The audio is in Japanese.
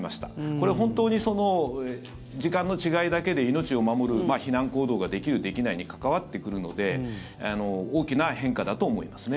これ本当に、時間の違いだけで命を守る避難行動ができる、できないに関わってくるので大きな変化だと思いますね。